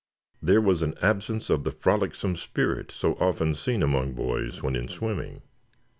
There was an absence of the frolicsome spirit so often seen among boys when in swimming.